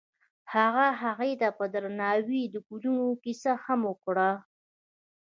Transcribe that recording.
هغه هغې ته په درناوي د ګلونه کیسه هم وکړه.